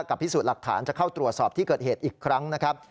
พิสูจน์หลักฐานจะเข้าตรวจสอบที่เกิดเหตุอีกครั้งนะครับ